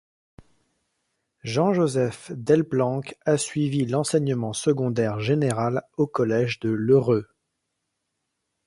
Jean-Joseph Delplancq a suivi l'enseignement secondaire général au collège de Le Rœulx.